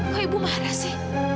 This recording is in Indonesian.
kok ibu marah sih